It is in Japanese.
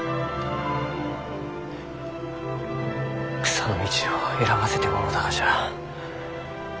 草の道を選ばせてもろうたがじゃ。